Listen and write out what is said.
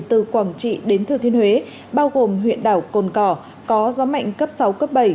từ quảng trị đến thừa thiên huế bao gồm huyện đảo cồn cỏ có gió mạnh cấp sáu cấp bảy